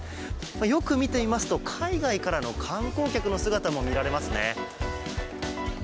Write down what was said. よく見てみますと海外からの観光客の姿も見られますね。